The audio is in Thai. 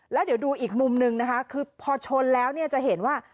แล้วเดี๋ยวดูอีกมุมนึงนะคะคือพอชนแล้วเนี่ยจะเห็นว่า